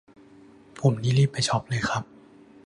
ผมนี่รีบไปช็อปเลยครับ